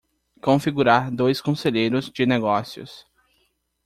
Configurar dois conselheiros de negócios